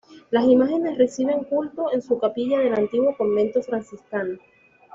Las imágenes reciben culto en su capilla del antiguo convento franciscano.